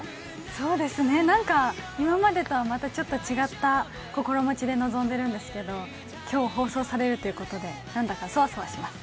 何か今までとはまたちょっと違った心持ちで臨んでいるんですけど今日、放送されるということで、何だかそわそわします。